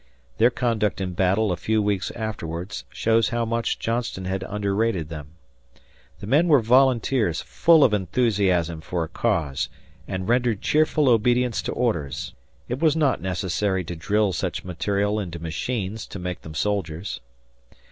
Their conduct in battle a few weeks afterwards shows how much Johnston had underrated them. The men were volunteers full of enthusiasm for a cause and rendered cheerful obedience to orders; it was not necessary to drill such material into machines to make them soldiers.